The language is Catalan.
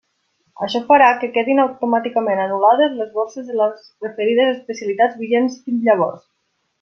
Això farà que queden automàticament anul·lades les borses de les referides especialitats vigents fins llavors.